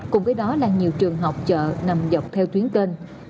cùng với đó là nhiều trường học chợ nằm dọc theo tuyến kênh